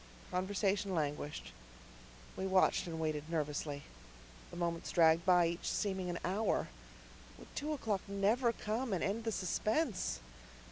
Conversation languished. We watched and waited nervously. The moments dragged by, each seeming an hour. Would two o'clock never come and end the suspense?